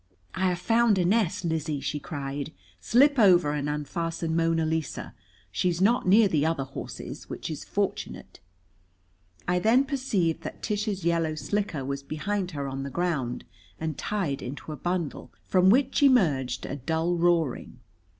"I have found a nest, Lizzie," she cried. "Slip over and unfasten Mona Lisa. She's not near the other horses, which is fortunate." I then perceived that Tish's yellow slicker was behind her on the ground and tied into a bundle, from which emerged a dull roaring.